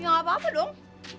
gak apa apa dong